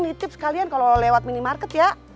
nitip sekalian kalau lewat minimarket ya